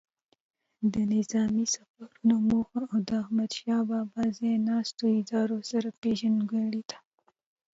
د نظامي سفرونو موخو او د احمدشاه بابا ځای ناستو ادارې سره پیژندګلوي ده.